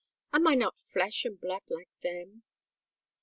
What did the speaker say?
Am I not flesh and blood like them?